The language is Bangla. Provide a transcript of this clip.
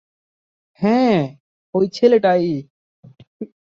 হ্যাঁ, ওই ছেলেটাই।